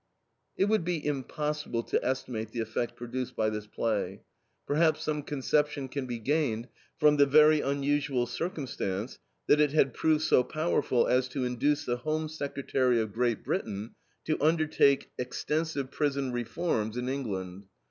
It would be impossible to estimate the effect produced by this play. Perhaps some conception can be gained from the very unusual circumstance that it had proved so powerful as to induce the Home Secretary of Great Britain to undertake extensive prison reforms in England.